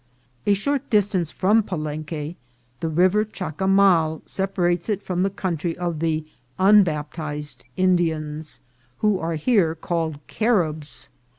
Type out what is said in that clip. A short distance from Palenque the River Chacamal separates it from the country of the unbaptized Indians, who are here called Caribs.